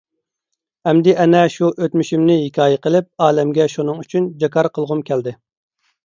ئەمدى ئەنە شۇ ئۆتمۈشۈمنى ھېكايە قىلىپ، ئالەمگە شۇنىڭ ئۈچۈن جاكار قىلغۇم كەلدى.